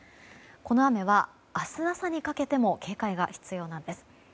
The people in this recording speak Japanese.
この雨は明日朝にかけても警戒が必要なんです。